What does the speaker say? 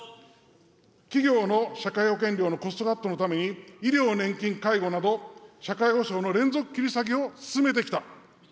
企業の社会保険料のコストカットのために、医療、年金、介護など、社会保障の連続切り下げを進めてきた。